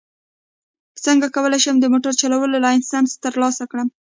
څنګه کولی شم د موټر چلولو لایسنس ترلاسه کړم